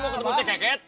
mau ketemu cekeket